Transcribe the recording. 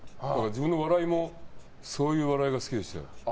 自分の笑いもそういう笑いが好きでしたよ。